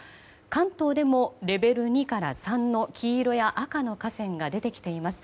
関東でも、レベル２から３の黄色や赤の河川が出てきています。